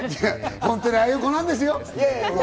本当にああいう子なんですよ。